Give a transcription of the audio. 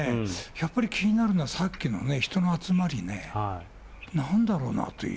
やっぱり気になるのは、さっきのね、人の集まりね、なんだろうなという。